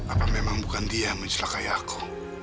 apa memang bukan dia yang mencelakaya aku